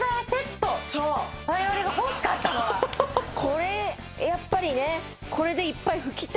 これやっぱりね。